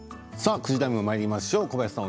９時台もまいりましょう。